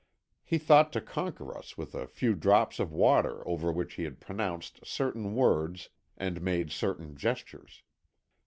He thought to conquer us with a few drops of water over which he had pronounced certain words and made certain gestures.